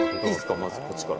まずこっちから」